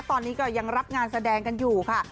ตอนนี้ก็ยังรับงานแสดงกันอยู่ค่ะ